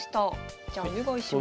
じゃあお願いします。